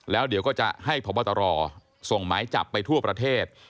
แล้วเดี๋ยวก็จะให้พบตรส่งหมายจับไปทั่วประเทศ